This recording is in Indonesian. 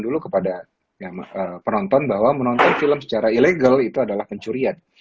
dulu kepada penonton bahwa menonton film secara ilegal itu adalah pencurian